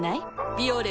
「ビオレ」